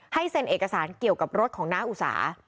เซ็นเอกสารเกี่ยวกับรถของน้าอุสา